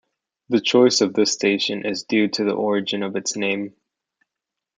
The choice of this station is due to the origin of its name.